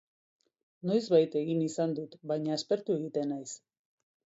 Noizbait egin izan dut, baina aspertu egiten naiz.